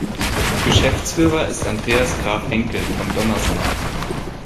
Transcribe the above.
Geschäftsführer ist Andreas Graf Henckel von Donnersmarck.